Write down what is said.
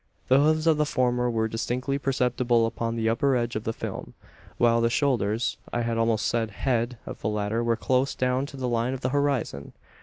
The hoofs of the former were distinctly perceptible upon the upper edge of the film; while the shoulders I had almost said head of the latter were close down to the line of the horizon!